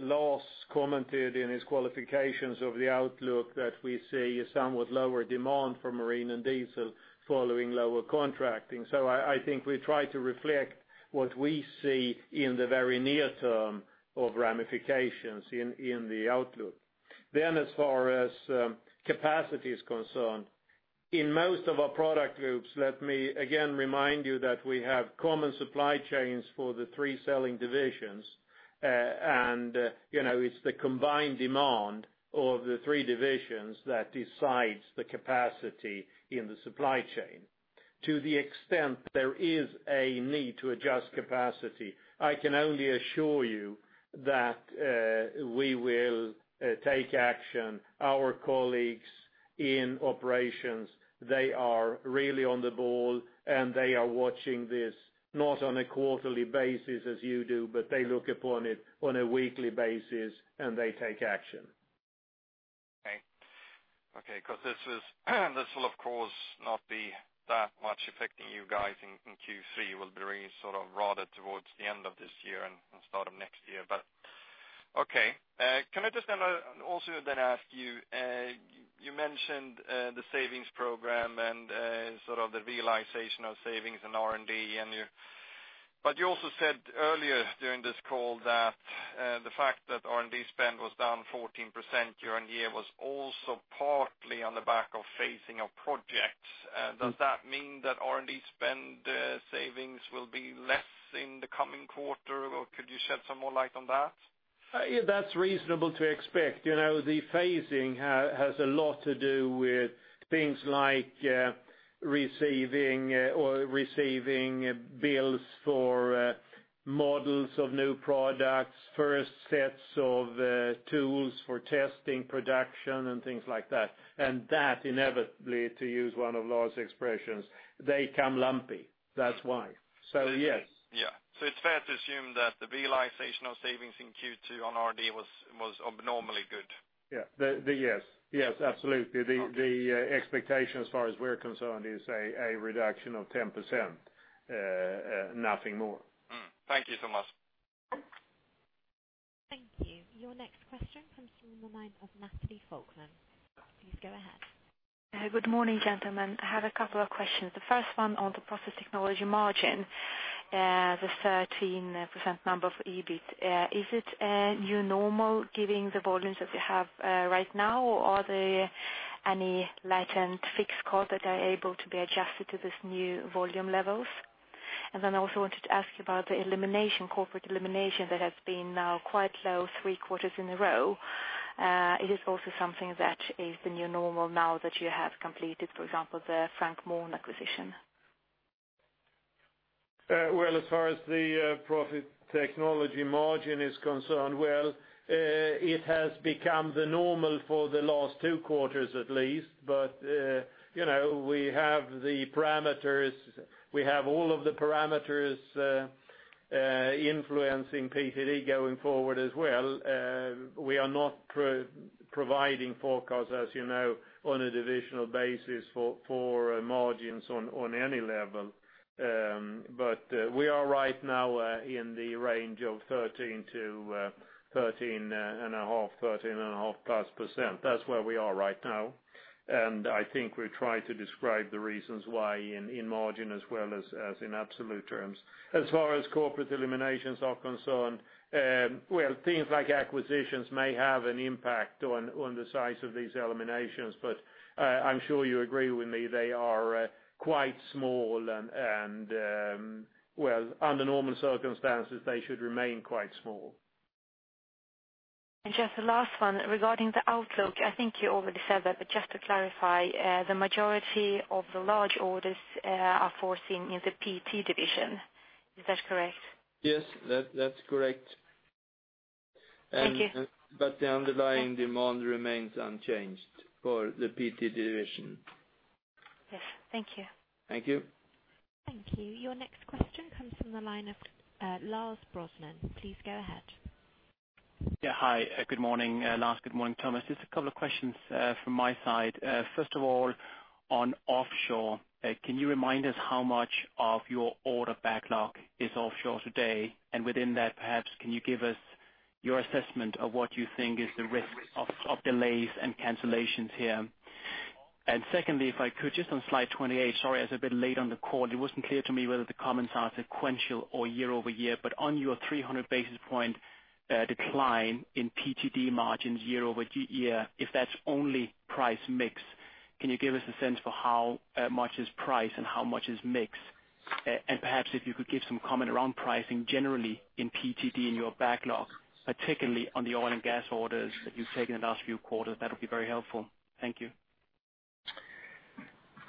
C: Lars commented in his qualifications of the outlook that we see a somewhat lower demand for Marine & Diesel following lower contracting. I think we try to reflect what we see in the very near term of ramifications in the outlook. As far as capacity is concerned, in most of our product groups, let me again remind you that we have common supply chains for the three selling divisions. It's the combined demand of the three divisions that decides the capacity in the supply chain. To the extent there is a need to adjust capacity, I can only assure you that we will take action. Our colleagues in operations, they are really on the ball, and they are watching this, not on a quarterly basis as you do, but they look upon it on a weekly basis, and they take action.
I: Okay. This will, of course, not be that much affecting you guys in Q3. It will be really sort of rather towards the end of this year and start of next year. Okay. Can I just then also then ask you mentioned the savings program and sort of the realization of savings in R&D. You also said earlier during this call that the fact that R&D spend was down 14% year-on-year was also partly on the back of phasing of projects. Does that mean that R&D spend savings will be less in the coming quarter, or could you shed some more light on that?
C: That's reasonable to expect. The phasing has a lot to do with things like receiving bills for models of new products, first sets of tools for testing production and things like that. That inevitably, to use one of Lars' expressions, they come lumpy. That's why. Yes.
I: Yeah. It's fair to assume that the realization of savings in Q2 on R&D was abnormally good.
C: Yes, absolutely. The expectation as far as we're concerned is a reduction of 10%, nothing more.
I: Thank you so much.
A: Thank you. Your next question comes from the line of Natalie Falkman. Please go ahead.
J: Good morning, gentlemen. I have a couple of questions. The first one on the Process Technology margin, the 13% number for EBIT. Is it a new normal given the volumes that you have right now, or are there any latent fixed cost that are able to be adjusted to this new volume levels? I also wanted to ask you about the corporate elimination that has been now quite low three quarters in a row. It is also something that is the new normal now that you have completed, for example, the Frank Mohn acquisition.
C: Well, as far as the Process Technology margin is concerned, well, it has become the normal for the last two quarters at least. We have all of the parameters influencing PTD going forward as well. We are not providing forecasts, as you know, on a divisional basis for margins on any level. We are right now in the range of 13%-13.5%, 13.5%+. That's where we are right now. I think we try to describe the reasons why in margin as well as in absolute terms. As far as corporate eliminations are concerned, well, things like acquisitions may have an impact on the size of these eliminations, but I'm sure you agree with me, they are quite small and under normal circumstances, they should remain quite small.
J: Just the last one, regarding the outlook. I think you already said that, but just to clarify, the majority of the large orders are foreseen in the PT Division. Is that correct?
C: Yes, that's correct.
J: Thank you.
C: The underlying demand remains unchanged for the PT Division.
J: Yes. Thank you.
C: Thank you.
A: Thank you. Your next question comes from the line of Lars Brorson. Please go ahead.
K: Hi. Good morning, Lars. Good morning, Thomas. Just a couple of questions from my side. First of all, on offshore, can you remind us how much of your order backlog is offshore today? Within that, perhaps can you give us your assessment of what you think is the risk of delays and cancellations here? Secondly, if I could just on slide 28, sorry, I was a bit late on the call. It wasn't clear to me whether the comments are sequential or year-over-year, but on your 300 basis point decline in PTD margins year-over-year, if that's only price mix, can you give us a sense for how much is price and how much is mix? Perhaps if you could give some comment around pricing generally in PTD in your backlog, particularly on the oil and gas orders that you've taken in the last few quarters, that would be very helpful. Thank you.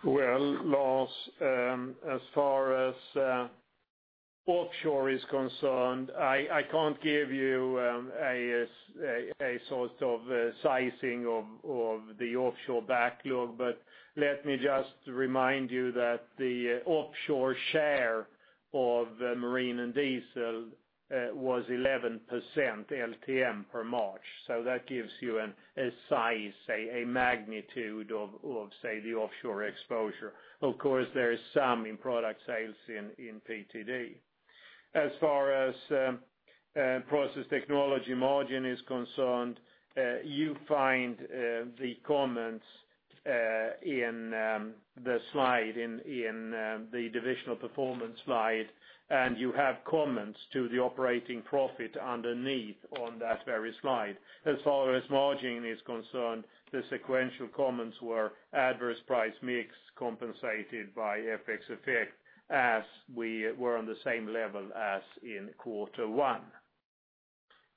C: Well, Lars, as far as offshore is concerned, I can't give you a sort of sizing of the offshore backlog, but let me just remind you that the offshore share of Marine & Diesel was 11% LTM per March. That gives you a size, say, a magnitude of, say, the offshore exposure. Of course, there is some in product sales in PTD. As far as Process Technology margin is concerned, you find the comments in the divisional performance slide, and you have comments to the operating profit underneath on that very slide. As far as margin is concerned, the sequential comments were adverse price mix compensated by FX effect as we were on the same level as in quarter one.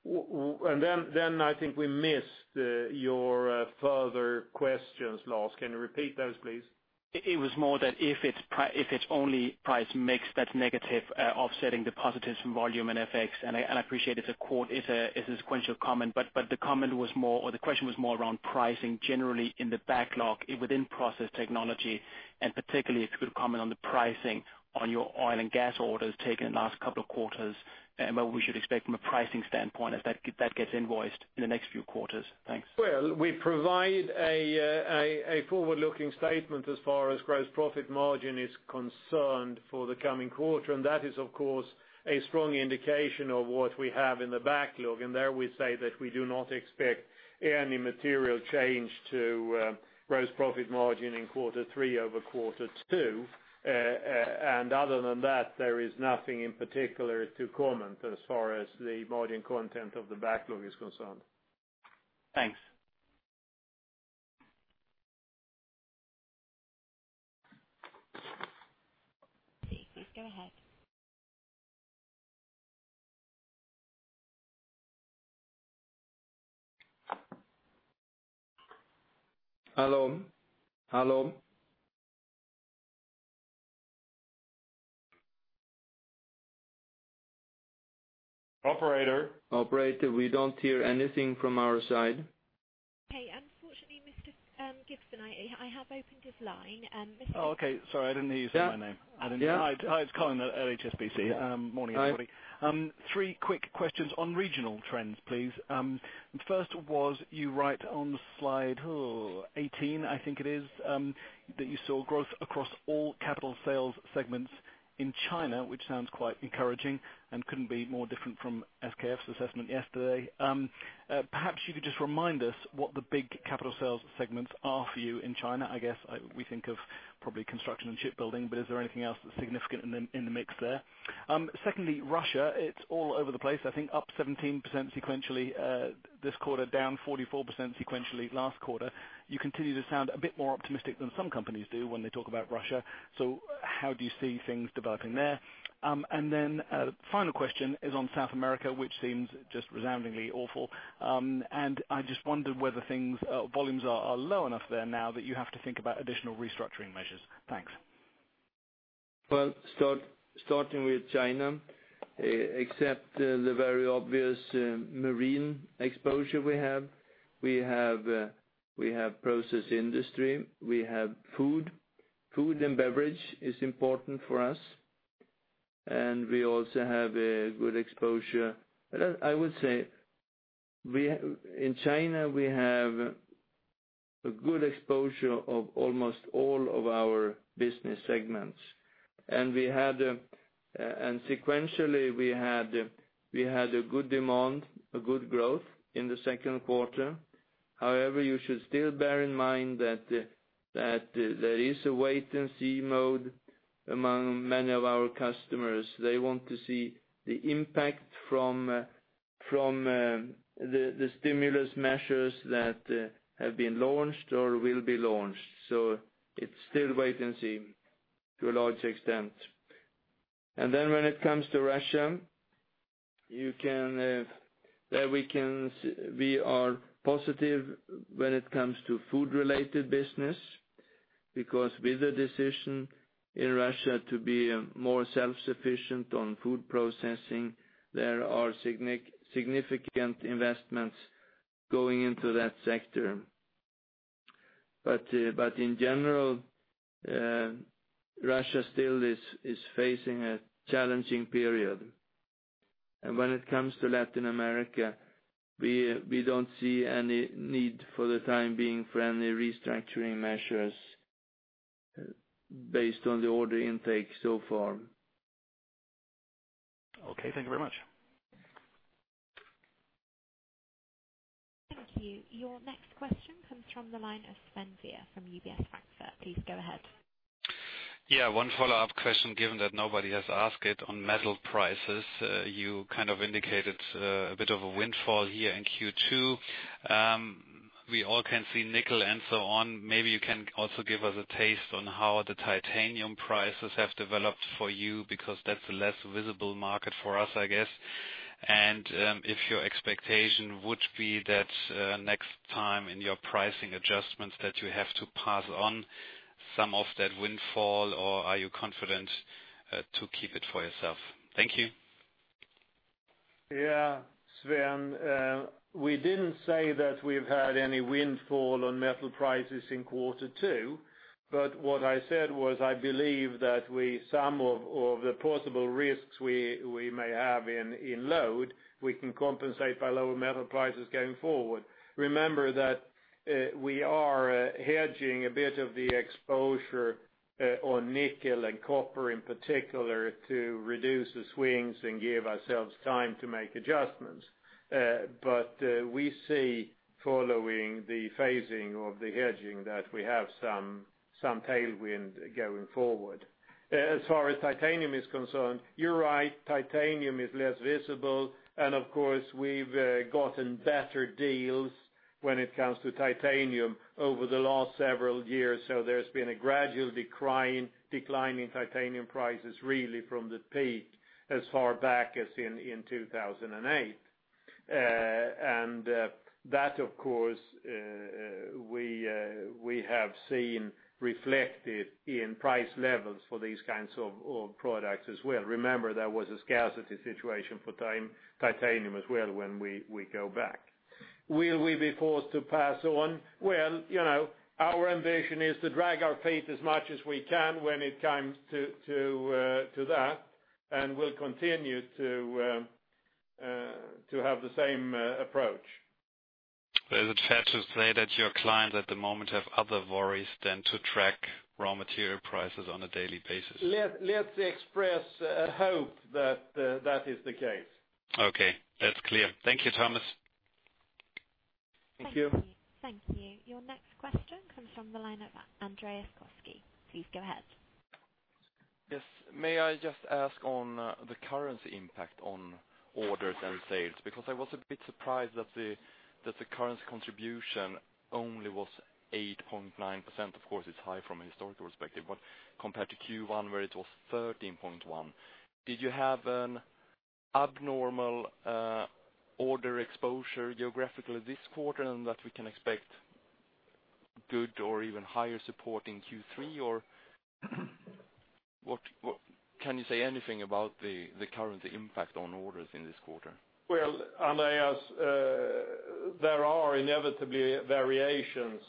B: I think we missed your further questions, Lars. Can you repeat those, please?
K: It was more that if it's only price mix that's negative offsetting the positives from volume and FX, I appreciate it's a sequential comment, but the question was more around pricing generally in the backlog within process technology, particularly if you could comment on the pricing on your oil and gas orders taken in the last couple of quarters, and what we should expect from a pricing standpoint as that gets invoiced in the next few quarters. Thanks.
B: Well, we provide a forward-looking statement as far as gross profit margin is concerned for the coming quarter. That is, of course, a strong indication of what we have in the backlog. There we say that we do not expect any material change to gross profit margin in quarter three over quarter two. Other than that, there is nothing in particular to comment as far as the margin content of the backlog is concerned.
K: Thanks.
A: Please go ahead.
B: Hello? Operator, we don't hear anything from our side.
A: Okay. Unfortunately, Mr. Gibson, I have opened his line.
L: Okay. Sorry, I didn't hear you say my name.
B: Yeah.
L: Hi, it's Colin at HSBC. Morning, everybody.
B: Hi.
L: Three quick questions on regional trends, please. First was, you write on slide 18, I think it is, that you saw growth across all capital sales segments in China, which sounds quite encouraging and couldn't be more different from SKF's assessment yesterday. Perhaps you could just remind us what the big capital sales segments are for you in China. I guess we think of probably construction and shipbuilding, but is there anything else that's significant in the mix there? Secondly, Russia, it's all over the place. I think up 17% sequentially this quarter, down 44% sequentially last quarter. You continue to sound a bit more optimistic than some companies do when they talk about Russia. How do you see things developing there? Final question is on South America, which seems just resoundingly awful. I just wondered whether volumes are low enough there now that you have to think about additional restructuring measures. Thanks.
B: Well, starting with China. Except the very obvious marine exposure we have, we have process industry, we have food. Food and beverage is important for us. We also have a good exposure. I would say, in China, we have a good exposure of almost all of our business segments. Sequentially, we had a good demand, a good growth in the second quarter. However, you should still bear in mind that there is a wait-and-see mode among many of our customers. They want to see the impact from the stimulus measures that have been launched or will be launched. It's still wait and see to a large extent. When it comes to Russia, we are positive when it comes to food-related business, because with the decision in Russia to be more self-sufficient on food processing, there are significant investments going into that sector. In general, Russia still is facing a challenging period. When it comes to Latin America, we don't see any need for the time being for any restructuring measures based on the order intake so far.
L: Okay, thank you very much.
A: Thank you. Your next question comes from the line of Sven Weier from UBS Frankfurt. Please go ahead.
F: one follow-up question, given that nobody has asked it on metal prices. You kind of indicated a bit of a windfall here in Q2. We all can see nickel and so on. Maybe you can also give us a taste on how the titanium prices have developed for you because that's a less visible market for us, I guess. If your expectation would be that next time in your pricing adjustments that you have to pass on some of that windfall, or are you confident to keep it for yourself? Thank you.
B: Sven. We didn't say that we've had any windfall on metal prices in quarter two, but what I said was, I believe that some of the possible risks we may have in load, we can compensate by lower metal prices going forward. Remember that we are hedging a bit of the exposure on nickel and copper, in particular, to reduce the swings and give ourselves time to make adjustments. We see following the phasing of the hedging that we have some tailwind going forward. As far as titanium is concerned, you're right, titanium is less visible, and of course, we've gotten better deals
C: When it comes to titanium over the last several years, there's been a gradual decline in titanium prices, really from the peak as far back as in 2008. That, of course, we have seen reflected in price levels for these kinds of products as well. Remember, there was a scarcity situation for titanium as well when we go back. Will we be forced to pass on? Our ambition is to drag our feet as much as we can when it comes to that, and we'll continue to have the same approach.
F: Is it fair to say that your clients at the moment have other worries than to track raw material prices on a daily basis?
C: Let's express a hope that is the case.
F: Okay. That's clear. Thank you, Thomas.
C: Thank you.
A: Thank you. Your next question comes from the line of Andreas Koski. Please go ahead.
G: Yes. May I just ask on the currency impact on orders and sales? I was a bit surprised that the currency contribution only was 8.9%. Of course, it's high from a historical perspective, but compared to Q1, where it was 13.1%. Did you have an abnormal order exposure geographically this quarter and that we can expect good or even higher support in Q3? Can you say anything about the current impact on orders in this quarter?
C: Well, Andreas, there are inevitably variations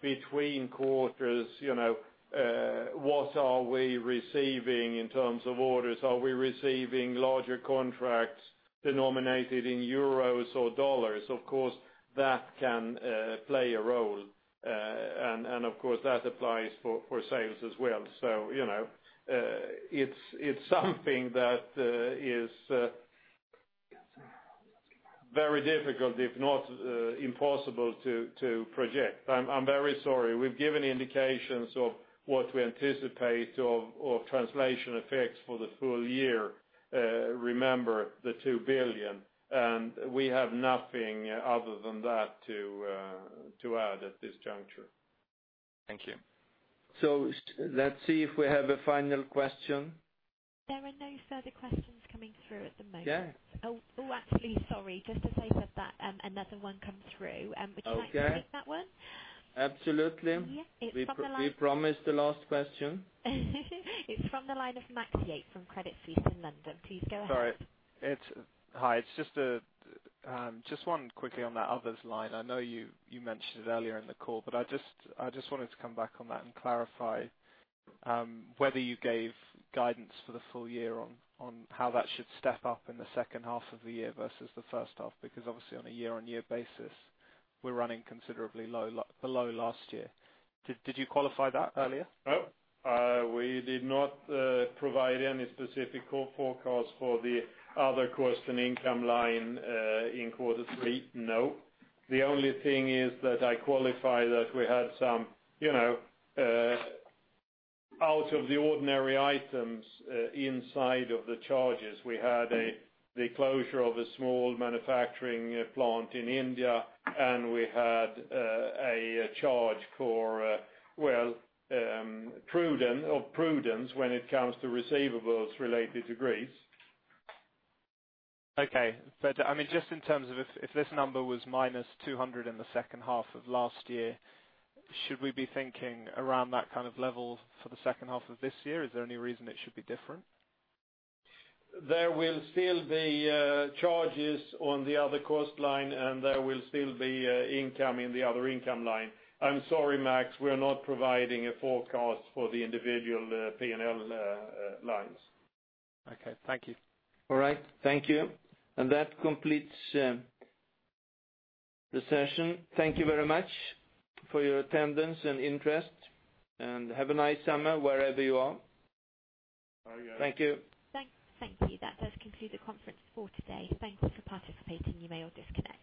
C: between quarters. What are we receiving in terms of orders? Are we receiving larger contracts denominated in euros or dollars? Of course, that can play a role. Of course, that applies for sales as well. It's something that is very difficult, if not impossible to project. I'm very sorry. We've given indications of what we anticipate of translation effects for the full year. Remember the 2 billion, we have nothing other than that to add at this juncture.
G: Thank you.
C: Let's see if we have a final question.
A: There are no further questions coming through at the moment.
C: Yeah.
A: Actually, sorry. Just to say that another one comes through.
C: Okay.
A: Would you like to take that one?
C: Absolutely.
A: Yeah. It's from the.
C: We promised the last question.
A: It's from the line of Max Yates from Credit Suisse in London. Please go ahead.
D: Sorry. Hi, just one quickly on that others line. I know you mentioned it earlier in the call, but I just wanted to come back on that and clarify whether you gave guidance for the full year on how that should step up in the second half of the year versus the first half, because obviously on a year-on-year basis, we're running considerably below last year. Did you qualify that earlier?
C: No. We did not provide any specific forecast for the other cost and income line, in quarter three. No. The only thing is that I qualify that we had some out of the ordinary items inside of the charges. We had the closure of a small manufacturing plant in India, and we had a charge for prudence when it comes to receivables related to Greece.
D: Okay. Just in terms of if this number was minus 200 in the second half of last year, should we be thinking around that kind of level for the second half of this year? Is there any reason it should be different?
C: There will still be charges on the other cost line, there will still be income in the other income line. I'm sorry, Max, we are not providing a forecast for the individual P&L lines.
D: Okay. Thank you.
C: All right. Thank you. That completes the session. Thank you very much for your attendance and interest, and have a nice summer wherever you are.
F: Bye.
C: Thank you.
A: Thank you. That does conclude the conference for today. Thank you for participating. You may all disconnect.